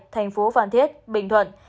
thành phố phan thiết bình thuận